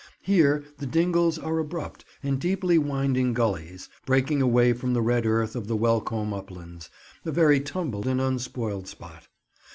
Here The Dingles are abrupt and deeply winding gullies, breaking away from the red earth of the Welcombe uplands: a very tumbled and unspoiled spot.